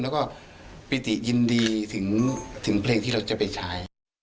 แล้วก็ปิติยินดีถึงเพลงที่เราจะไปใช้